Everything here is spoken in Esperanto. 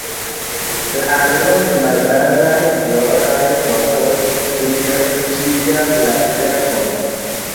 La aldono de malgrandaj koloraj fotoj pliriĉigas la verkon.